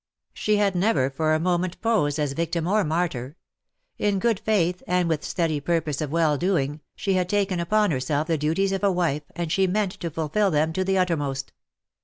She had never for a moment posed as victim or martyr. In good faith, and with steady purpose of well doing, she had taken upon herself the duties of a wife, and she meant to fulfil them to the uttermost.